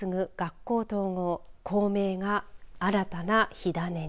校名が新たな火種に。